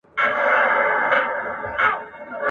څومره ښایسته وې ماشومتوبه خو چي نه تېرېدای ..